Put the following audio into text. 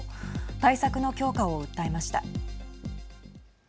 対策の強化を訴えました。